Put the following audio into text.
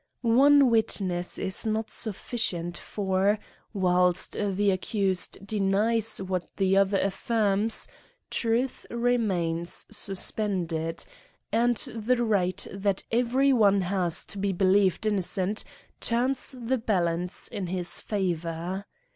One witness is not sufficient for^ CRIMES AND PUNISHMENTS 49 whilst the accused deiBes what the other affirms, truth remains suspended, and the right that every one has to be believed innocent turns the balanci^ in hi^ favour.